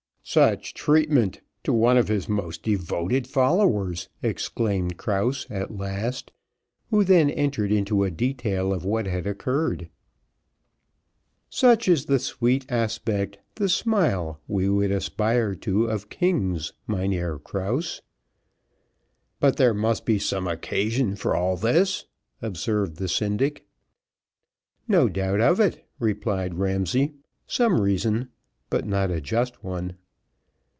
"Such treatment to one of his most devoted followers," exclaimed Krause, at last, who then entered into a detail of what had occurred. "Such is the sweet aspect, the smile, we would aspire to of kings, Mynheer Krause." "But there must be some occasion for all this," observed the syndic. "No doubt of it," replied Ramsay "some reason but not a just one."